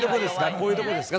こういうとこですか？